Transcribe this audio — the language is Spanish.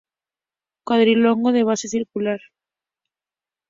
Cuadrilongo de base circular.